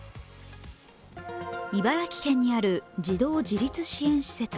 茨城県にある児童自立支援施設。